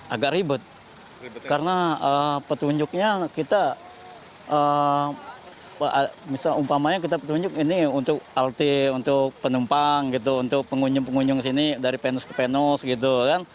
agak ribet karena petunjuknya kita misal umpamanya kita petunjuk ini untuk halte untuk penumpang gitu untuk pengunjung pengunjung sini dari penus ke penus gitu kan